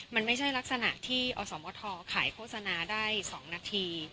มันไม่ใช่ลักษณะที่อสมทขายโฆษณาได้๒นาที